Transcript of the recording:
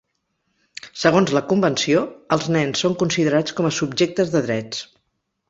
Segons la Convenció, els nens són considerats com a subjectes de drets.